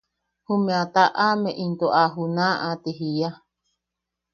jumeʼe a taʼame into a junaʼa ti jiia.